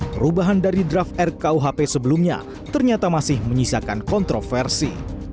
perubahan dari draft rkuhp sebelumnya ternyata masih menyisakan kontroversi